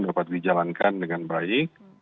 dapat dijalankan dengan baik